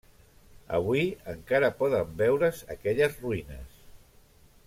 Avui, encara poden veure's aquelles ruïnes.